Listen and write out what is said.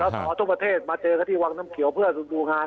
ให้ท้อสทั่วประเทศมาเจอกับที่วังน้ำเขียวเพื่อสูดดูงาน